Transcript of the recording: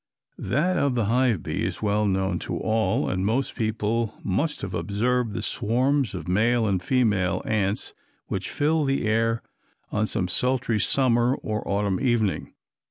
That of the hive bee is well known to all, and most people must have observed the swarms of male and female ants which fill the air on some sultry summer or autumn evening.